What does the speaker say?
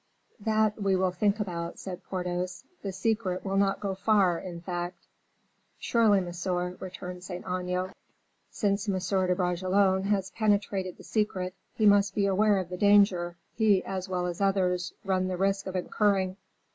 "That we will think about," said Porthos; "the secret will not go far, in fact." "Surely, monsieur," returned Saint Aignan, "since M. de Bragelonne has penetrated the secret, he must be aware of the danger he as well as others run the risk of incurring."